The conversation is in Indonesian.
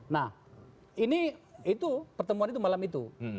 nah ini itu pertemuan itu malam itu